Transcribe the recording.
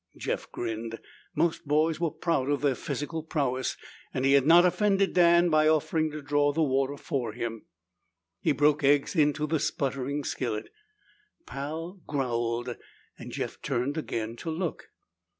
Jeff grinned. Most boys were proud of their physical prowess and he had not offended Dan by offering to draw the water for him. He broke eggs into the sputtering skillet. Pal growled and Jeff turned again to look.